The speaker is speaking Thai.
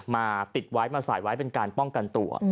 มาติดไว้มาใส่ไว้เป็นการป้องกันตัว